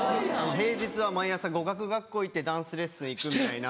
平日は毎朝語学学校行ってダンスレッスン行くみたいな。